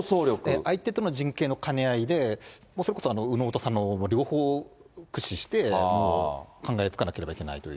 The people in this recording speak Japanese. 相手との陣形の兼ね合いで、それこそ右脳と左脳両方を駆使して考えつかなければいけないという。